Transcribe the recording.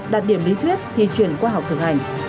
đạt điểm lý thuyết thì chuyển qua học thực hành